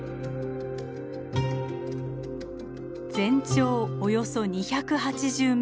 全長およそ２８０ｍ。